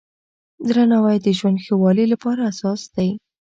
درناوی د ژوند ښه والي لپاره اساس دی.